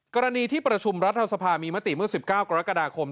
กรณีที่ประชุมรัฐสภามีมติเมื่อ๑๙กรกฎาคม